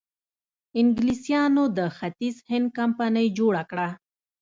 انګلیسانو د ختیځ هند کمپنۍ جوړه کړه.